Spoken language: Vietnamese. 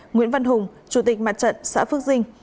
nguyễn văn hùng chủ tịch mặt trận xã phước dinh